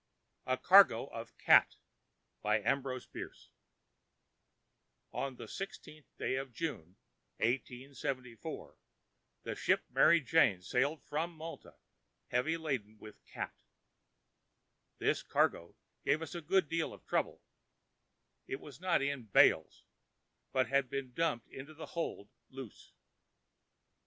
A CARGO OF CAT On the 16th day of June, 1874, the ship Mary Jane sailed from Malta, heavily laden with cat. This cargo gave us a good deal of trouble. It was not in bales, but had been dumped into the hold loose.